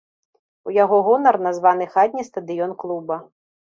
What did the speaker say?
У яго гонар названы хатні стадыён клуба.